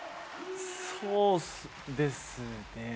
そうですねぇ。